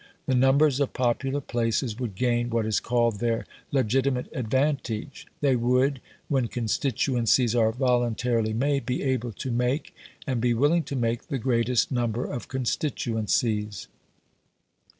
The numbers of popular places would gain what is called their legitimate advantage; they would, when constituencies are voluntarily made, be able to make, and be willing to make the greatest number of constituencies.